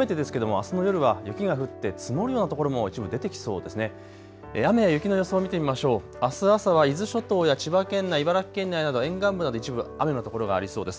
あす朝は伊豆諸島や千葉県内、茨城県内など沿岸部、一部雨の所がありそうです。